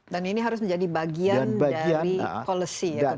dan ini harus menjadi bagian dari policy